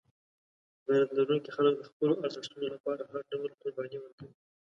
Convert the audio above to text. غیرت لرونکي خلک د خپلو ارزښتونو لپاره هر ډول قرباني ورکوي.